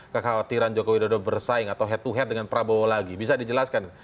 kekhawatiran joko widodo bersaing atau head to head dengan prabowo lagi bisa dijelaskan